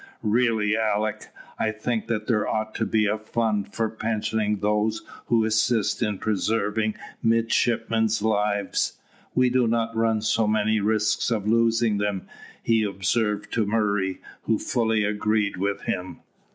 "Really, Alick, I think that there ought to be a fund for pensioning those who assist in preserving midshipmen's lives; we do run so many risks of losing them," he observed to Murray, who fully agreed with him.